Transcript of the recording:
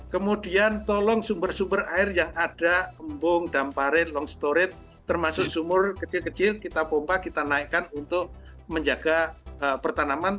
kemudian tolong sumber sumber air yang ada embung dampare long storage termasuk sumur kecil kecil kita pompa kita naikkan untuk menjaga pertanaman